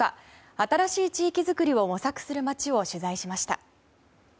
新しい地域づくりを模索する町を取材しました。